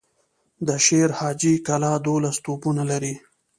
د شير حاجي کلا دولس توپونه لري.